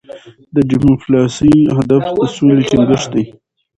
د ډيپلوماسی هدف د سولې ټینګښت دی.